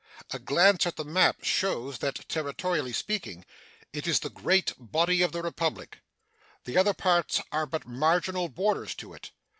A glance at the map shows that, territorially speaking, it is the great body of the Republic. The other parts are but marginal borders to it.